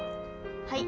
はい。